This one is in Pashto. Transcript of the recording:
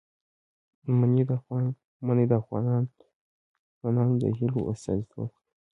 منی د افغان ځوانانو د هیلو استازیتوب کوي.